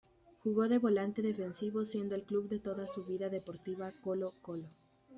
Jugó de volante defensivo, siendo el club de toda su vida deportiva Colo-Colo.